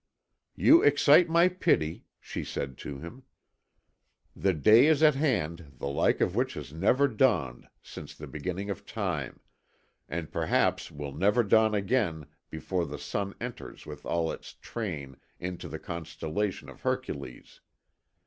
"You excite my pity," she said to him. "The day is at hand the like of which has never dawned since the beginning of Time, and perhaps will never dawn again before the Sun enters with all its train into the constellation of Hercules.